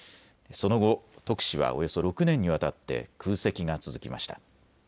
その後、特使はおよそ６年にわたって空席が続きました。